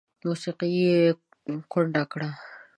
موسیقي یې کونډه کړه